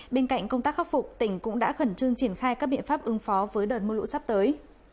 bên cạnh công tác khắc phục tỉnh cũng đã khẩn trương triển khai các biện pháp ứng phó với đợt mưa lũ sắp tới